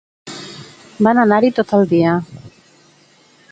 Van anar-hi tot el dia.